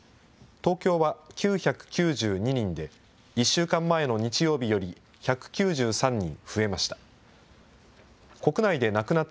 東京は９９２人で、１週間前の日曜日より１９３人増えました。